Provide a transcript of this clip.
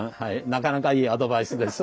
なかなかいいアドバイスです。